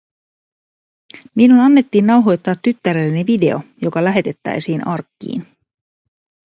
Minun annettiin nauhoittaa tyttärelleni video, joka lähetettäisiin arkkiin.